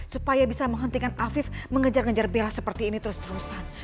supaya bisa menghentikan afif mengejar ngejar bila seperti ini terus terusan